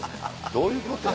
どういうことや。